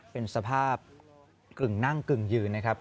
เป็นสภาพกึ่งนั่งกึ่งยืนนะครับ